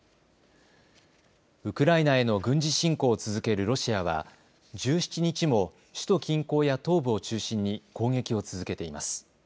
ウクライナへの軍事侵攻を続けるロシアは１７日も首都近郊や東部を中心に攻撃を続けています。